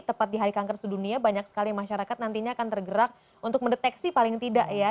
tepat di hari kanker sedunia banyak sekali masyarakat nantinya akan tergerak untuk mendeteksi paling tidak ya